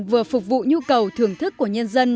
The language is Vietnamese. vừa phục vụ nhu cầu thưởng thức của nhân dân